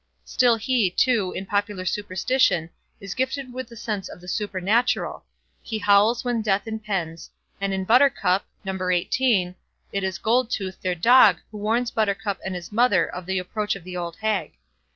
Still he, too, in popular superstition, is gifted with a sense of the supernatural; he howls when death impends, and in "Buttercup", No. xviii, it is Goldtooth, their dog, who warns Buttercup and his mother of the approach of the old hag.